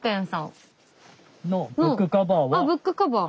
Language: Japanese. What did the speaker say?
あブックカバー。